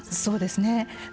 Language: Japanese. そうですね。